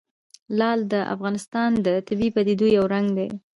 لعل د افغانستان د طبیعي پدیدو یو رنګ دی.